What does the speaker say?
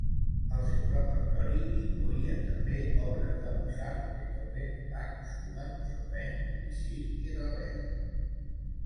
El seu repertori incloïa també obres de Mozart, Beethoven, Bach, Schumann, Chopin, Debussy i Ravel.